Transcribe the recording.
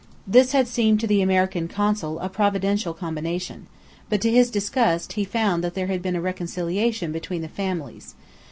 This had seemed to the American Consul a providential combination: but to his disgust he found that there had been a reconciliation between the families.